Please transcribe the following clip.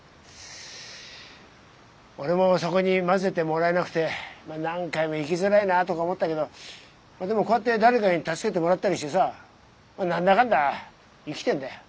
俺もそこに交ぜてもらえなくて何回も生きづらいなとか思ったけどでもこうやって誰かに助けてもらったりしてさ何だかんだ生きてんだよ。